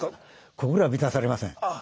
心は満たされません。